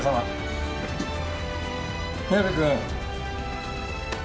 宮部君。